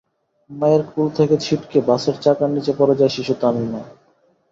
মায়ের কোল থেকে ছিটকে বাসের চাকার নিচে পড়ে যায় শিশু তামিমা।